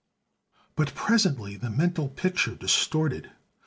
But presently the mental picture distorted.